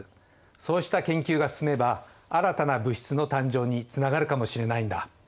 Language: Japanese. そうした研究が進めば新たな物質の誕生につながるかもしれないんだ。